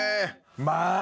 まあ。